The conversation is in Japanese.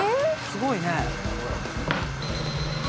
すごいね。